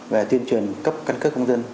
về tuyên truyền cấp căn cước công dân